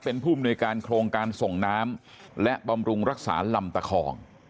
เป็นผู้มนุยการโครงการส่งน้ำและบำรุงรักษาลำตะคอง